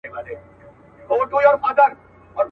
بس ما هم پیدا کولای سی یارانو.